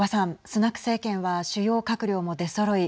スナク政権は主要閣僚も出そろい